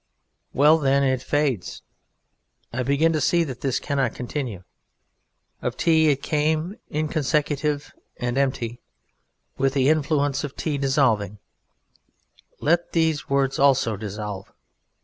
Well, then, it fades.... I begin to see that this cannot continue ... of Tea it came, inconsecutive and empty; with the influence of Tea dissolving, let these words also dissolve....